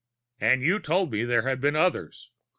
"And you told me there had been others.